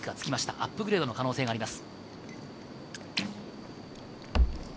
アップグレードの可能性があります。